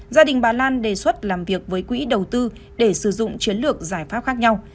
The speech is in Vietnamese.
gia đình bà lan đề xuất làm việc với quỹ đầu tư để sử dụng chiến lược giải pháp khác nhau